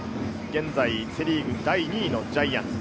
現在セ・リーグ第２位のジャイアンツ。